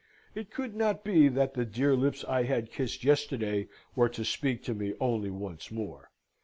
It could not be that the dear lips I had kissed yesterday were to speak to me only once more.